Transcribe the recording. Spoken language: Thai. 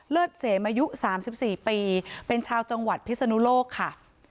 เสมอายุ๓๔ปีเป็นชาวจังหวัดพิศนุโลกค่ะ